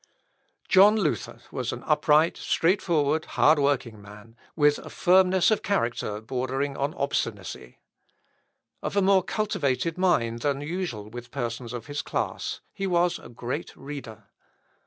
John Luther was an upright, straightforward, hard working man, with a firmness of character bordering on obstinacy. Of a more cultivated mind than usual with persons of his class, he was a great reader.